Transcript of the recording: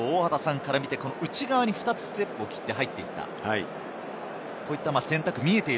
王・大畑さんから見て、内側に２つ、ステップを切って入っていった。